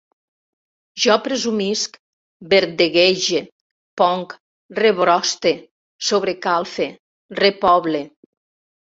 Jo presumisc, verdeguege, ponc, rebroste, sobrecalfe, repoble